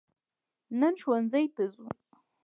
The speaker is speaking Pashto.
نن ښوونځي ته ځو